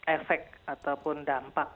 efek ataupun dampak